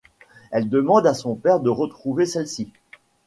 Elle demande à son père de retrouver celle-ci.